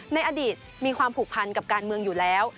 ในอดีตมีความผูกพันกับการเมืองอยู่แล้ว